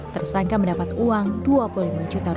tersangka mendapat uang rp dua puluh lima juta